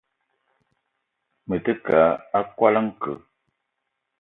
Me te keu a koala nke.